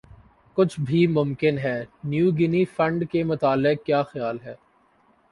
کچھ بھِی ممکن ہے نیو گِنی فنڈ کے متعلق کِیا خیال ہے